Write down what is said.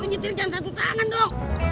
lu nyetir jam satu tangan dong